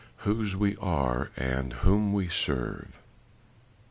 "WHOSE WE ARE AND WHOM WE SERVE.